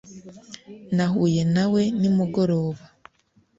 nahuye na we nimugoroba